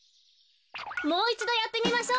もういちどやってみましょう。